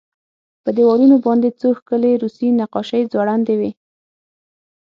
په دېوالونو باندې څو ښکلې روسي نقاشۍ ځوړندې وې